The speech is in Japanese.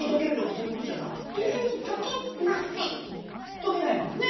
溶けないもんね！